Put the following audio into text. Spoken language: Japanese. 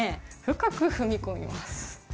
深く踏み込みます。